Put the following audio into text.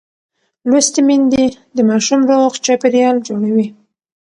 لوستې میندې د ماشوم روغ چاپېریال جوړوي.